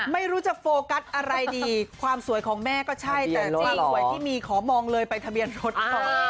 ไม่รู้จะโฟกัสอะไรดีความสวยของแม่ก็ใช่แต่ที่สวยที่มีขอมองเลยไปทะเบียนรถก่อน